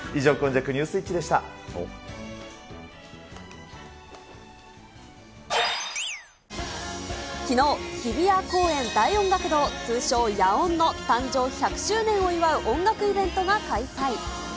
以上、きのう、日比谷公園大音楽堂、通称、野音の誕生１００周年を祝う音楽イベントが開催。